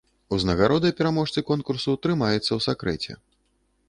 Узнагарода пераможцы конкурсу трымаецца ў сакрэце.